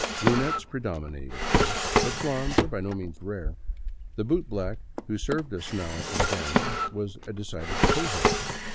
Brunettes predominate, of course, but blonds are by no means rare. The boot black who served us now and then was a decided towhead.